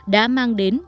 đã mang đến